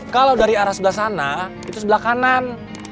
kalau dari arah sebelah sana itu sebelah kanan